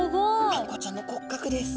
あんこうちゃんの骨格です。